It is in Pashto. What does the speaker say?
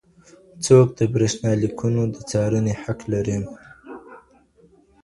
څوک د بریښنالیکونو د څارني حق لري؟